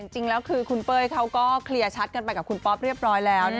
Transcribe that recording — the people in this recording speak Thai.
จริงแล้วคือคุณเป้ยเขาก็เคลียร์ชัดกันไปกับคุณป๊อปเรียบร้อยแล้ว